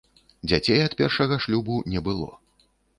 Дзяцей ад першага шлюбу не было.